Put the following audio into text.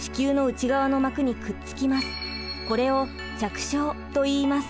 これを着床といいます。